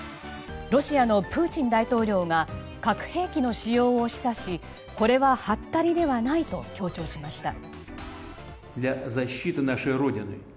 ロシアのプーチン大統領が核兵器の使用を示唆しこれは、はったりではないと強調しました。